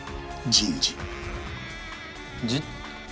人事？